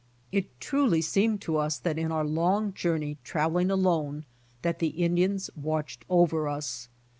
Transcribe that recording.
It truly seemed to us in our long journey trav eling alone that the Indians watched over us.